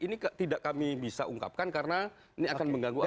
ini tidak kami bisa ungkapkan karena ini akan mengganggu apa